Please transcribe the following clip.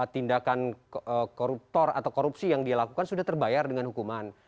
tindakan koruptor atau korupsi yang dia lakukan sudah terbayar dengan hukuman